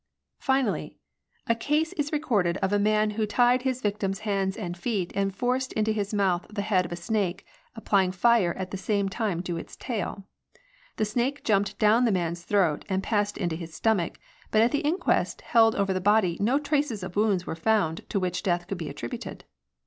Finally, " A case is recorded of a man who tied his victim's hands and feet, and forced into his mouth the head of a snake, applying fire at the INQUESTS, NO. J I. 191 same time to its tail. The snake jumped down the man's throat and passed into his stomach, but at the inquest held over the body no traces of wounds were found to which death could be attributed.